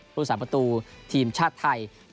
ผู้สาประตูทีมชาติไทย